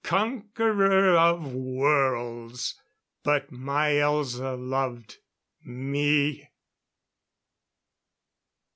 conqueror of worlds ... But my Elza loved me!...